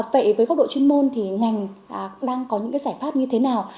vậy với góc độ chuyên môn thì ngành đang có những cái giải pháp như thế nào